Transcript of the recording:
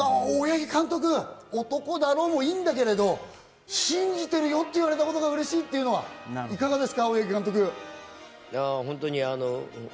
大八木監督、男だろ！もいいんだけど、信じてるよって言われたことが嬉しいっていうのはいかがですか？